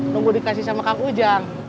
nunggu dikasih sama kang ujang